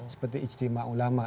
seperti istimewa ulama